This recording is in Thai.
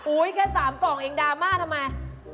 อุ๊ยแค่๓กล่องคุณได้ทำไม